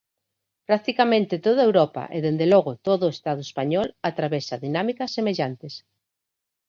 Practicamente toda Europa e dende logo todo o Estado español atravesa dinámicas semellantes.